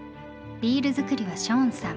ビール造りはショーンさん。